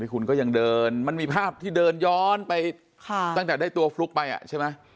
คุณก็ยังเดินมันมีภาพที่เดินย้อนไปตั้งแต่ได้ตัวฟลุ๊กไปใช่ไหม